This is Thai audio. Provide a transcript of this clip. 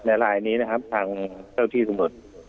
ในลายนี้นะครับทางเจ้าพี่สมุทร